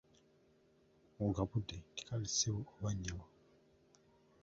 Ogabbudde nti kaale ssebo oba nnyabo.